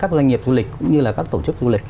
các doanh nghiệp du lịch cũng như là các tổ chức du lịch